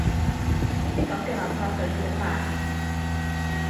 呢啲噉嘅垃圾就要整爛